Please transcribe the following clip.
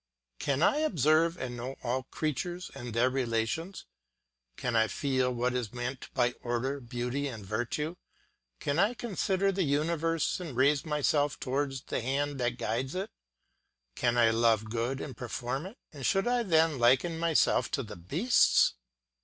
can I observe and know all creatures and their relations; can I feel what is meant by order, beauty, and virtue; can I consider the universe and raise myself towards the hand that guides it; can I love good and perform it; and should I then liken myself to the beasts?